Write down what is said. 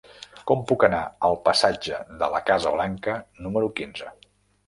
Com puc anar al passatge de la Casa Blanca número quinze?